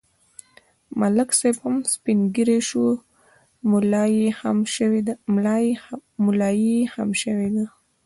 ملک صاحب هم سپین ږیری شو، ملایې خم شوې ده.